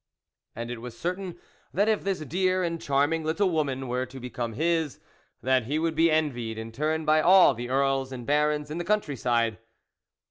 And it was certain that if this dear and charming little woman were to become his, that he would be envied in turn by all the earls and barons in the countryside.